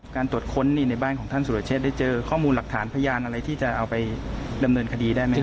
การตรวจค้นในบ้านของท่านสุรเชษฐได้เจอข้อมูลหลักฐานพยานอะไรที่จะเอาไปดำเนินคดีได้ไหมครับ